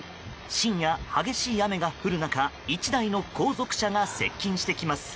深夜、激しい雨が降る中１台の後続車が接近してきます。